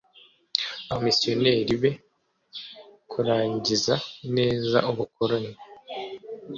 abamisiyoneri be kurangiza neza ubukoroni